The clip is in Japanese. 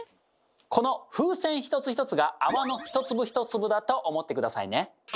この風船一つ一つが泡の一粒一粒だと思って下さいね。